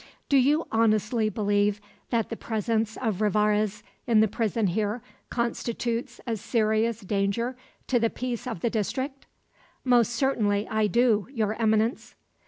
Do you honestly believe that the presence of Rivarez in the prison here constitutes a serious danger to the peace of the district?" "Most certainly I do, Your Eminence."